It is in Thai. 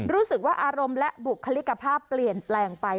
รู้สึกว่าอารมณ์และบุคลิกภาพเปลี่ยนแปลงไป